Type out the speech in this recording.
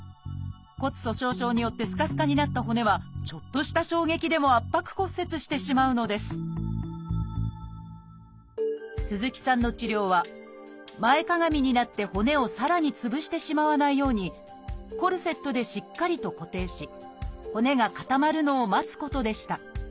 骨粗しょう症によってすかすかになった骨はちょっとした衝撃でも圧迫骨折してしまうのです鈴木さんの治療は前かがみになって骨をさらにつぶしてしまわないようにコルセットでしっかりと固定し骨が固まるのを待つことでした。